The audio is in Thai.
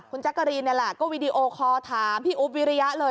คุณแจ๊กเกอรีนก็วีดีโอคอร์ถามพี่อุ๊บวิรัยะเลย